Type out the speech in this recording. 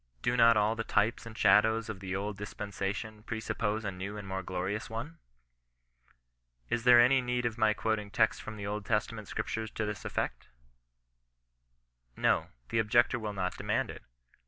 Do not all the types and shadows of the old dis OHBISTIAN KON BESISTANCB. 53 pmaaiion presuppose a new and more glorious one ? Is there any need of my quoting texts from the Old Testa ment Scriptures to this effect ? No ; the objector will not demand it.